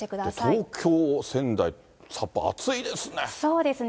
東京、仙台、札幌、暑いですね。